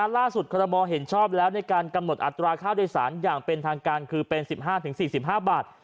คอรมอลเห็นชอบแล้วในการกำหนดอัตราค่าโดยสารอย่างเป็นทางการคือเป็น๑๕๔๕บาท